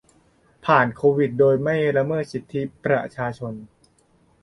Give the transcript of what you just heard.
ผ่านโควิด โดยไม่ละเมิดสิทธิประชาชน